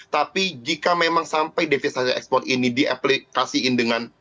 tapi jika memang sampai devis hasil ekspor ini diaplikasi dengan